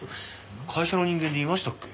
会社の人間にいましたっけ？